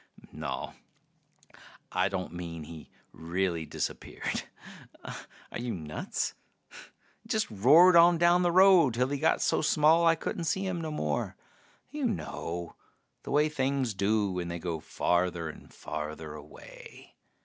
Naw, I don't mean he really disappeared are you nuts? Just roared on down the road till he got so small I couldn't see him no more. You know the way things do when they go farther and farther away.